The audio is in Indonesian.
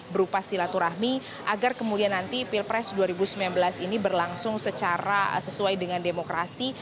berupa silaturahmi agar kemudian nanti pilpres dua ribu sembilan belas ini berlangsung secara sesuai dengan demokrasi